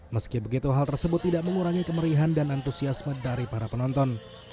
meski begitu hal tersebut tidak mengurangi kemerihan dan antusiasme dari para penonton